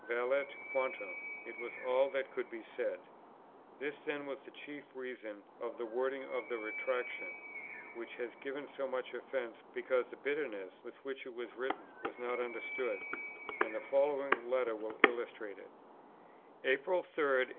Valeat quantum, it was all that could be said. This then was a chief reason of that wording of the Retractation, which has given so much offence, because the bitterness, with which it was written, was not understood; and the following letter will illustrate it: "April 3, 1844.